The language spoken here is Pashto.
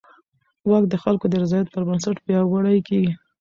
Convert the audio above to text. واک د خلکو د رضایت پر بنسټ پیاوړی کېږي.